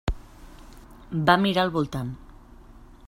Va mirar al voltant.